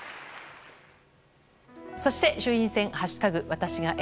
そして、衆院選。